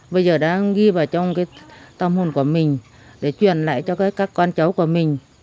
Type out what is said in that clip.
bây giờ đang ghi vào trong tâm hồn của mình để truyền lại cho các con cháu của mình